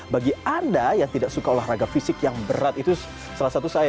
bagi anda yang tidak suka olahraga fisik yang berat itu salah satu saya